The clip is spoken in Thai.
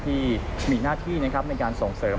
ที่มีหน้าที่นะครับในการส่งเสริม